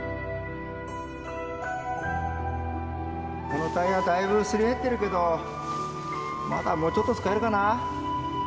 このタイヤだいぶすり減ってるけどまだもうちょっと使えるかな。